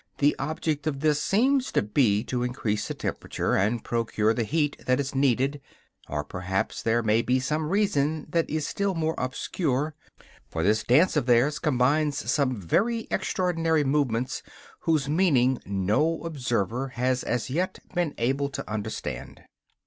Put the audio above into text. The object of this seems to be to increase the temperature, and procure the heat that is needed or perhaps there may be some reason that is still more obscure; for this dance of theirs combines some very extraordinary movements whose meaning no observer has as yet been able to understand.